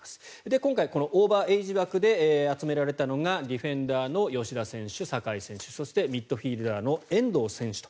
今回、このオーバーエイジ枠で集められたのがディフェンダーの吉田選手、酒井選手そしてミッドフィールダーの遠藤選手と。